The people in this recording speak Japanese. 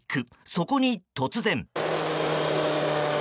そこに突然。